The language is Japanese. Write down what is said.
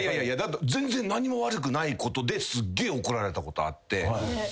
何も悪くないことですっげえ怒られたことあって。